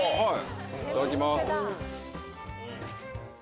いただきます。